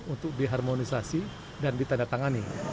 untuk diharmonisasi dan ditandatangani